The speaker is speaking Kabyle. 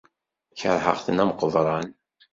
Kerheɣ-ten am qeḍran.